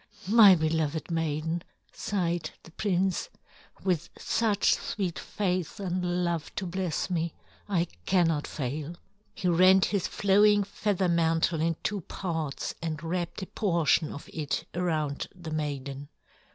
"My beloved maiden!" sighed the prince. "With such sweet faith and love to bless me, I cannot fail." He rent his flowing feather mantle in two parts and wrapped a portion of it around the maiden.